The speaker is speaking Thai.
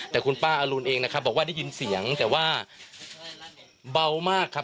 แต่คุณป้าอรุณเองนะครับบอกว่าได้ยินเสียงแต่ว่าเบามากครับ